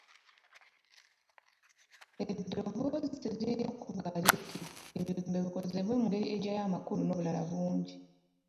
Eddoboozi lirina okuba nga liwulirikika, ebigambo bikozesebwa mu ngeri eggyayo amakulu n’obulala bungi.